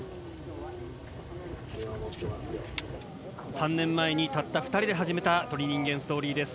３年前にたった２人で始めた『鳥人間』ストーリーです。